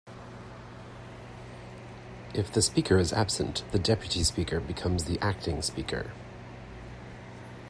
If the Speaker is absent the Deputy Speaker becomes the Acting Speaker.